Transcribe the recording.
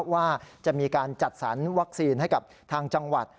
ว่าจะมีการจัดสรรวัคซีนให้กับทางจังหวัด